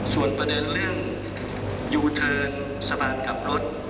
ส่วนประเด็นเรื่องยูเทิร์นสะพานกลับรถ